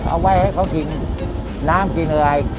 เอาไว้ให้เขากินน้ำกินอะไร